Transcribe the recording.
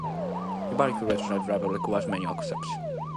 Evaluating a driver requires many aspects.